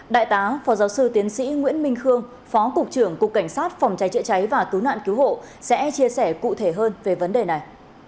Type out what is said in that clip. đại tá phó giáo sư tiến sĩ nguyễn minh khương phó cục trưởng cục cảnh sát phòng cháy chữa cháy và cứu nạn cứu hộ sẽ chia sẻ cụ thể hơn về vấn đề này